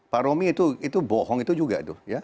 pak romy itu bohong itu juga